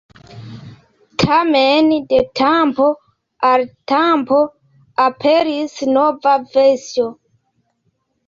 Tamen, de tempo al tempo aperis nova versio.